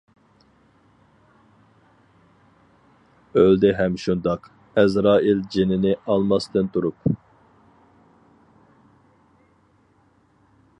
ئۆلدى ھەم شۇنداق، ئەزرائىل جېنىنى ئالماستىن تۇرۇپ.